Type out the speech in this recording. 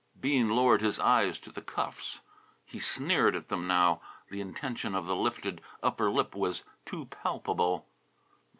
Bean lowered his eyes to the cuffs. He sneered at them now. The intention of the lifted upper lip was too palpable.